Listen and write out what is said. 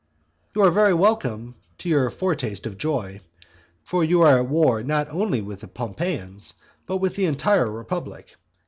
You are very welcome to your foretaste of joy. For you are at war not only with the Pompeians, but with the entire republic.